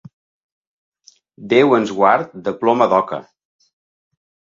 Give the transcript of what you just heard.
Déu ens guard de ploma d'oca!